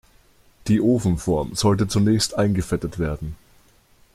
Die Ofenform sollte zunächst eingefettet werden.